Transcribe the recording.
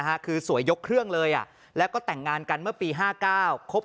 ฮะคือสวยยกเครื่องเลยอ่ะแล้วก็แต่งงานกันเมื่อปีห้าเก้าคบ